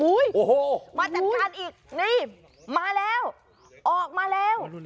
โอ้โหมาจัดการอีกนี่มาแล้วออกมาแล้ว